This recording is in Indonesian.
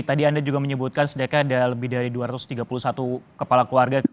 tadi anda juga menyebutkan setidaknya ada lebih dari dua ratus tiga puluh satu kepala keluarga